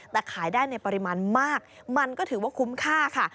แต่ขายได้ในปริมาณมากมันก็ถือว่าคุ้มค่าค่ะ